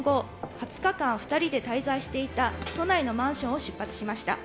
２０日間２人で滞在していた都内のマンションを出発しました。